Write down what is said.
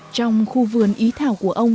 trong khu vườn ý thảo của ông